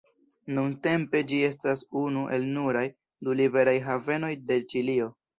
Nuntempe ĝi estas unu el nuraj du liberaj havenoj de Ĉilio.